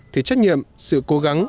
thì trách nhiệm sự cố gắng